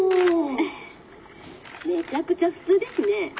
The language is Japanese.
めちゃくちゃ普通ですね」。